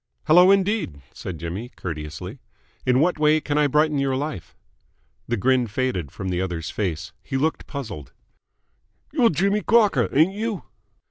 "Hello indeed!" said Jimmy courteously. "In what way can I brighten your life?" The grin faded from the other's face. He looked puzzled. "You're Jimmy Crocker, ain't you?"